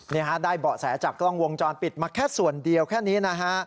นี่ฮะได้เบาะแสจากกล้องวงจรปิดมาแค่ส่วนเดียวแค่นี้นะฮะ